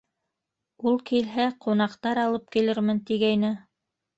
Ул килһә, ҡунаҡтар алып килермен, тигәйне.